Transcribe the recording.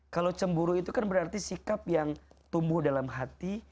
kalau cemburu itu kan berarti sikap yang tumbuh dalam hati